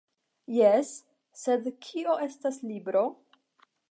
Jes, sed kio estas libro?